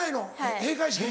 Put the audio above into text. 閉会式も？